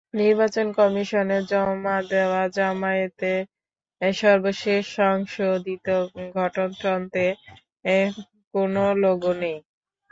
নির্বাচন কমিশনে জমা দেওয়া জামায়াতের সর্বশেষ সংশোধিত গঠনতন্ত্রে কোনো লোগো নেই।